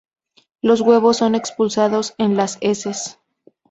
Los huevos son expulsados con las heces.